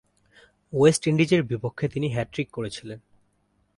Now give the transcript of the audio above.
West ইন্ডিজের বিপক্ষে তিনি হ্যাট্রিক করেছিলেন।